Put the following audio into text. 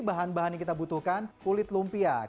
bahan bahan yang kita butuhkan kulit lumpia